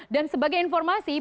dan sebagai informasi